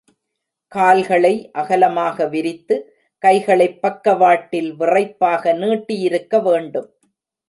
கால்களை அகலமாக விரித்து, கைகளைப் பக்கவாட்டில் விறைப்பாக நீட்டியிருக்க வேண்டும்.